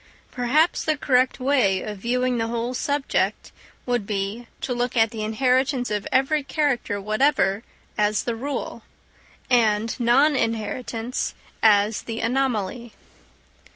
Perhaps the correct way of viewing the whole subject would be, to look at the inheritance of every character whatever as the rule, and non inheritance as the anomaly.